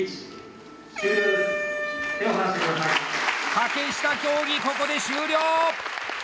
掛下競技、ここで終了！